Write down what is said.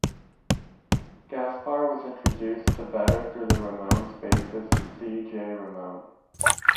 Gaspar was introduced to Vedder through Ramones bassist C. J. Ramone.